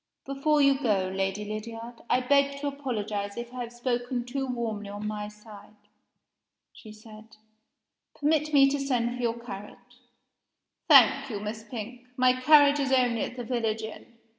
"Before you go, Lady Lydiard, I beg to apologize if I have spoken too warmly on my side," she said. "Permit me to send for your carriage." "Thank you, Miss Pink. My carriage is only at the village inn.